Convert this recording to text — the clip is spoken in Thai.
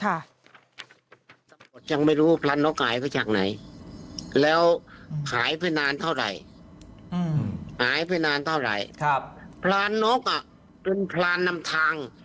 ตำรวจยังไม่รู้พรานนกหายไปจากไหนแล้วขายไปนานเท่าไหร่หายไปนานเท่าไหร่ครับพรานนกเป็นพรานนำทาง